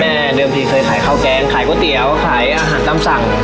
เดิมทีเคยขายข้าวแกงขายก๋วยเตี๋ยวขายอาหารตามสั่ง